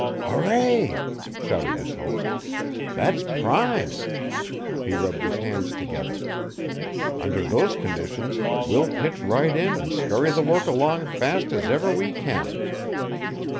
"Hurray!" shouted his host. "That's prime!" he rubbed his hands together. "Under those conditions we'll pitch right in an' scurry the work along fast as ever we can."